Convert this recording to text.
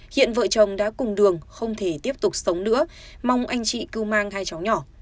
hiện vợ chồng đã cùng đường không thể tiếp tục sống nữa mong anh chị cứu mang hai cháu nhỏ